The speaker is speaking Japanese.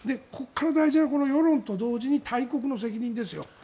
ここから大事な世論と同時に大国の責任ですよ。